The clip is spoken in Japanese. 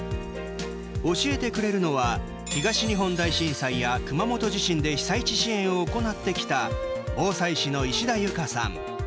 教えてくれるのは東日本大震災や熊本地震で被災地支援を行ってきた防災士の石田有香さん。